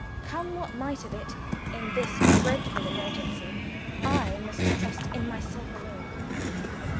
Come what might of it, in this dreadful emergency, I must trust in myself alone.